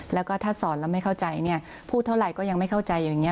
แล้วก็ถ้าสอนแล้วไม่เข้าใจเนี่ยพูดเท่าไหร่ก็ยังไม่เข้าใจอยู่อย่างนี้